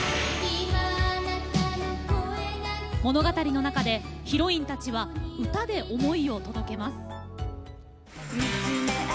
物語の中でヒロインたちは歌で思いを届けます。